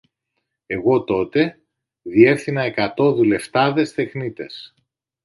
Εγώ τότε διεύθυνα εκατό δουλευτάδες τεχνίτες